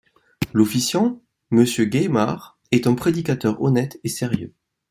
L'officiant, Mr Geismar est un prédicateur honnête et sérieux.